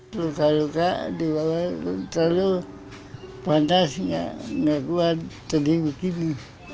luka luka di bawah terlalu panas nggak kuat jadi begini